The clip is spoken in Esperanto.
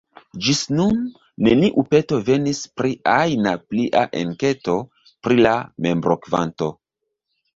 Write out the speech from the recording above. Ĝis nun, neniu peto venis pri ajna plia enketo pri la membrokvanto.